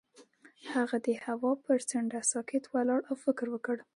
هغه د هوا پر څنډه ساکت ولاړ او فکر وکړ.